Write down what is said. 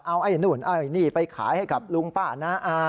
เอาไอ้นู่นไอ้นี่ไปขายให้กับลุงป้าน้าอา